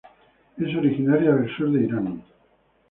Es originaria del sur de Irán.